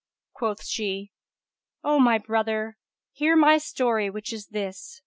Quoth she, "O my brother, hear my story which is this.